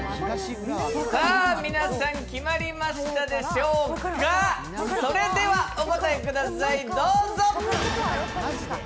皆さん決まりましたでしょうか、それではお答えください、どうぞ！